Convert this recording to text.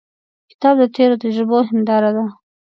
کتاب د تیرو تجربو هنداره ده.